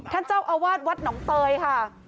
ท่านเจ้าอาวาสวัดหนองเตยค่ะ